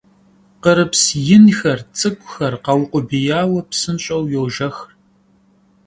Khırıps yinxer, ts'ık'uxer kheukhubiyaue, psınş'eu yojjex.